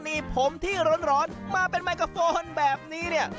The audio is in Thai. มีผมที่ร้อนมาเป็นไมโครโฟนแบบนี้เนี่ย